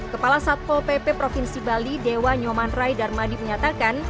kepala satpol pp provinsi bali dewa nyoman rai darmadi menyatakan